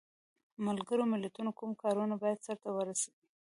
ملګرو ملتونو کوم کارونه باید سرته ورسوي؟